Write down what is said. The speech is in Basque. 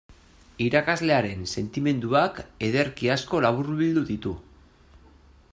Irakaslearen sentimenduak ederki asko laburbildu ditu.